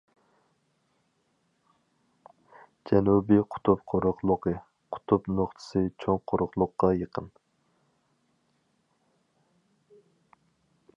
جەنۇبىي قۇتۇپ قۇرۇقلۇقى : قۇتۇپ نۇقتىسى چوڭ قۇرۇقلۇققا يېقىن.